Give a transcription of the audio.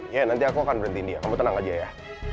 iya nanti aku akan berhentiin dia kamu tenang aja ya